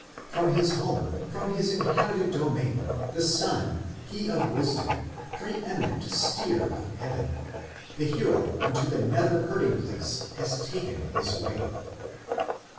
From his home, from his inhabited domain, the son, he of wisdom, pre eminent steer of heaven, The hero unto the nether herding place has taken his way.